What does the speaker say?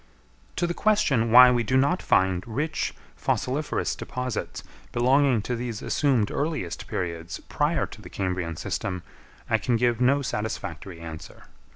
To the question why we do not find rich fossiliferous deposits belonging to these assumed earliest periods prior to the Cambrian system, I can give no satisfactory answer.